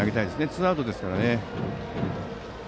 ツーアウトですからね。